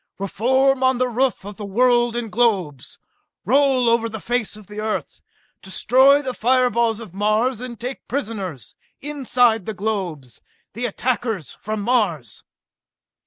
Reform on the roof of the world in globes! Roll over the face of the Earth, destroy the fire balls of Mars and take prisoners, inside the globes, the attackers from Mars!"